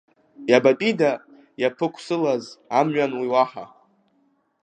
Иабатәида иаԥықәсылаз амҩан уи уаха?!